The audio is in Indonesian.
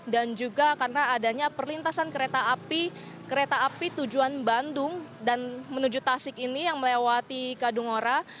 dan juga karena adanya perlintasan kereta api kereta api tujuan bandung dan menuju tasik ini yang melewati kadung ora